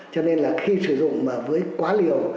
cho nên là khi sử dụng mà với quá liều